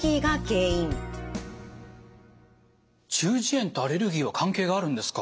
中耳炎とアレルギーは関係があるんですか。